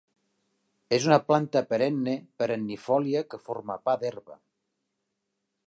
És una planta perenne perennifòlia que forma pa d'herba.